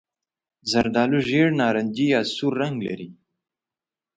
زردالو ژېړ نارنجي یا سور رنګ لري.